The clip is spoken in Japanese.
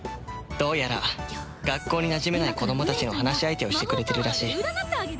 どうやら学校になじめない子供たちの話し相手をしてくれてるらしい。